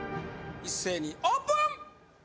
一斉にオープン！